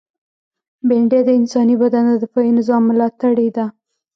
بېنډۍ د انساني بدن د دفاعي نظام ملاتړې ده